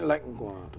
lệnh của thủ tướng